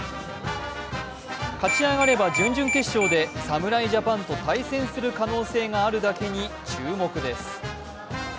勝ち上がれば準々決勝で侍ジャパンと対戦する可能性があるだけに注目です。